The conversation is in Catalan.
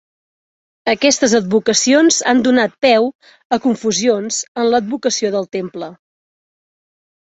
Aquestes advocacions han donat peu a confusions en l'advocació del temple.